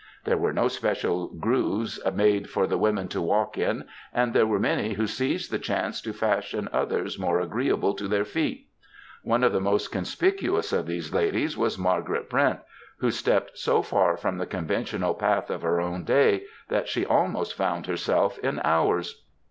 There were no special grooves made for the women to walk in, and there were many who seized the chance to fashion others more agree able to their feet. One of the most conspicuous of these ladies was Margaret Brent, who stepped so far from the conventional path of her own day that she almost found herself in ours.